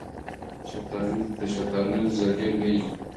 د شفتالو زړې لویې وي.